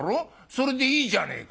それでいいじゃねえか」。